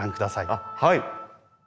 あっはい！